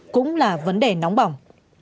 cũng là vấn đề nóng bỏng